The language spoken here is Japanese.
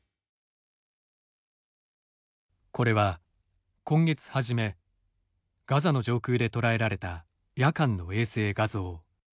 これは、今月初めガザの上空で捉えられた夜間の衛星画像。